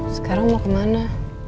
sekarang mau kemana